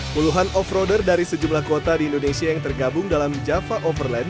puluhan off roader dari sejumlah kota di indonesia yang tergabung dalam java overland